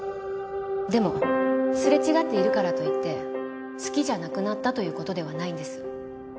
でもすれ違っているからといって好きじゃなくなったという事ではないんです。